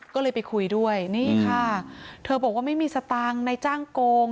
ก็เลยไปคุยด้วยนี่ค่ะเธอบอกว่าไม่มีสตางค์ในจ้างโกง